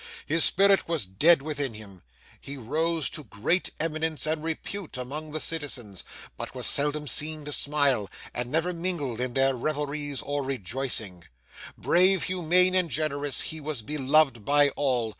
His spirit was dead within him. He rose to great eminence and repute among the citizens, but was seldom seen to smile, and never mingled in their revelries or rejoicings. Brave, humane, and generous, he was beloved by all.